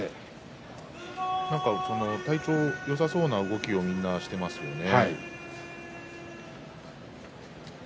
体調がよさそうな動きをみんなしていますもんね。